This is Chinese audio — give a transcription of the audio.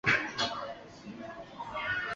阿戈讷地区东巴勒人口变化图示